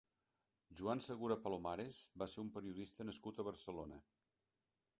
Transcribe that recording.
Juan Segura Palomares va ser un periodista nascut a Barcelona.